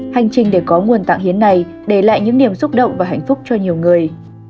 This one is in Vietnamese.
hành trình để có nguồn tạng hiến này để lại những niềm xúc động và hạnh phúc cho nhiều người